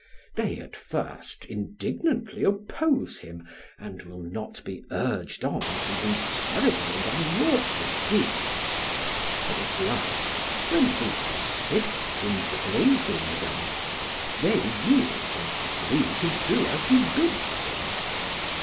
They at first indignantly oppose him and will not be urged on to do terrible and unlawful deeds; but at last, when he persists in plaguing them, they yield and agree to do as he bids them.